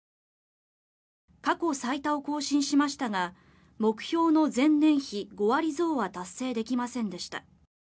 過去最多を更新しましたが目標の前年比５割増は達成できませんでした。